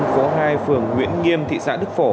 phố hai phường nguyễn nghiêm thị xã đức phổ